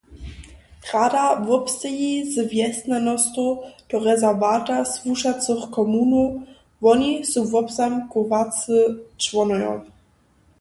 Rada wobsteji z wjesnjanostow do rezerwata słušacych komunow; woni su wobzamkowacy čłonojo.